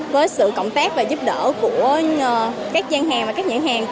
với sự cộng tác và giúp đỡ của các gian hàng và các nhãn hàng